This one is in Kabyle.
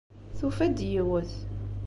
Tufa-d yiwet.